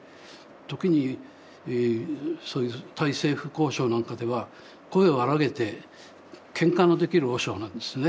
時にそういう対政府交渉なんかでは声を荒げてけんかのできる和尚なんですね。